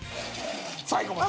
最後まで。